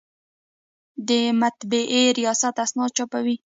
د مطبعې ریاست اسناد چاپوي